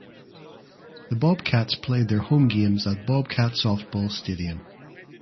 The Bobcats played their home games at Bobcat Softball Stadium.